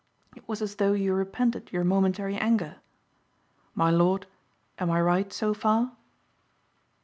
It was as though you repented your momentary anger. My lord, am I right so far?"